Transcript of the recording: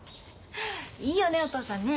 いいよねお父さんねえ。